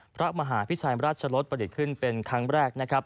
พระมหาพิชัยราชลดประดิษฐ์ขึ้นเป็นครั้งแรกนะครับ